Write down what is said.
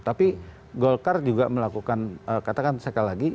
tapi golkar juga melakukan katakan sekali lagi